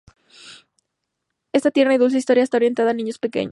Esta tierna y dulce historia está orientada a niños pequeños.